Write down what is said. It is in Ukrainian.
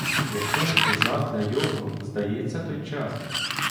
Яким то задля його здається той час?